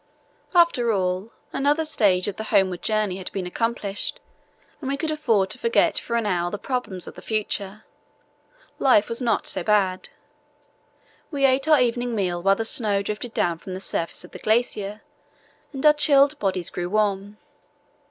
After all, another stage of the homeward journey had been accomplished and we could afford to forget for an hour the problems of the future. Life was not so bad. We ate our evening meal while the snow drifted down from the surface of the glacier, and our chilled bodies grew warm.